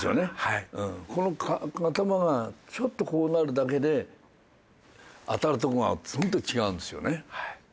この頭がちょっとこうなるだけで当たる所がホントに違うんですよね。